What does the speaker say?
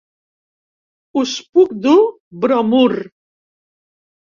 Us puc dur bromur!